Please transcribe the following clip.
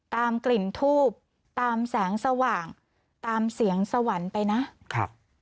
ตามกลิ่นทูบตามแสงสว่างตามเสียงสวรรค์ไปนะครับ